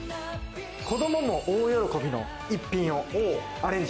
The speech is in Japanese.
子供も大喜びの一品をアレン